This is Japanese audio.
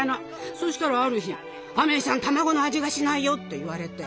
そしたらある日「アメイさん卵の味がしないよ」って言われて。